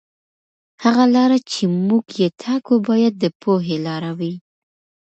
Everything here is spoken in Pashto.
هغه لاره چې موږ یې ټاکو باید د پوهې لاره وي.